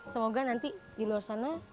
semoga nanti di luar sana